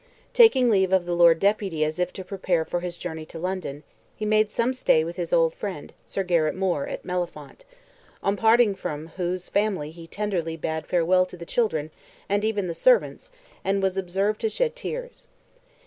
Taking leave of the Lord Deputy as if to prepare for his journey to London, he made some stay with his old friend, Sir Garrett Moore, at Mellifont, on parting from whose family he tenderly bade farewell to the children and even the servants, and was observed to shed tears.